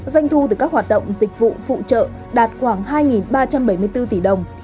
doanh thu từ các hoạt động dịch vụ phụ trợ đạt khoảng hai ba trăm bảy mươi bốn tỷ đồng